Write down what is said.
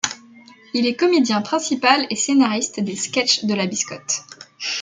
Il est comédien principal et scénariste des sketches de la Biscotte.